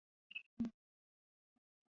湖北蕲水人。